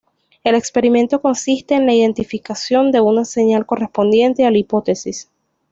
El experimento consiste en la identificación de una señal correspondiente a la hipótesis.